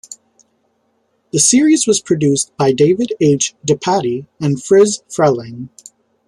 The series was produced by David H. DePatie and Friz Freleng.